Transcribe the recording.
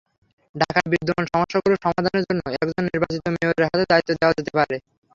ঢাকার বিদ্যমান সমস্যাগুলো সমাধানের জন্য একজন নির্বাচিত মেয়রের হাতে দায়িত্ব দেওয়া যেতে পারে।